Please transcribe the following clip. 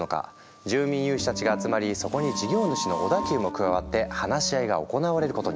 住民有志たちが集まりそこに事業主の小田急も加わって話し合いが行われることに。